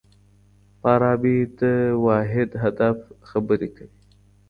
فارابي د واحد هدف خبري کوي.